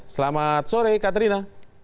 selamat sore katrina